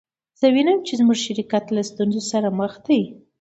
زه وینم چې زموږ شرکت له ستونزو سره مخ دی